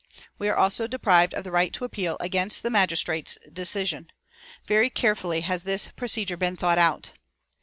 We are also deprived of the right to appeal against the magistrate's decision. Very carefully has this procedure been thought out."